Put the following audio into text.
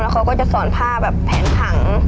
แล้วเขาก็จะสอนภาพแบบแผนถัง